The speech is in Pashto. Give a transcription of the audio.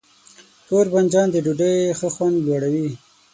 تور بانجان د ډوډۍ ښه خوند لوړوي.